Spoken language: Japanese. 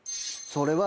それは。